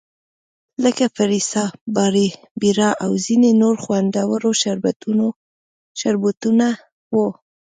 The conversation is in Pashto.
لکه فریسا، باربیرا او ځیني نور خوندور شربتونه وو.